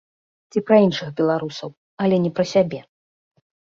Ці пра іншых беларусаў, але не пра сябе?